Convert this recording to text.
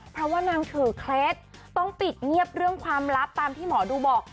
เพราะว่านางถือเคล็ดต้องปิดเงียบเรื่องความลับตามที่หมอดูบอก